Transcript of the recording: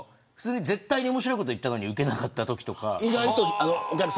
絶対に面白いこと言ったのにウケなかったときとか。